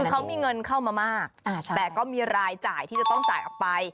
คือเขามีเงินเข้ามามากแต่ก็มีรายจ่ายที่จะต้องจ่ายออกไป